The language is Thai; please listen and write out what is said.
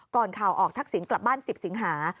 ก่อนข่าวออกทักศิลป์กลับบ้าน๑๐สิงหา